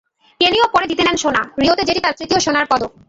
কেনিও পরে জিতে নেন সোনা, রিওতে যেটি তাঁর তৃতীয় সোনার পদক।